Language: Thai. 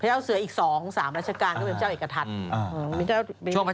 พระเจ้าเสืออีกสองบัญชาการแล้วก็เกี่ยวกับเจ้าเอกทัศน์